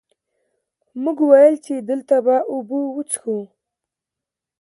مونږ ويل چې دلته به اوبۀ وڅښو ـ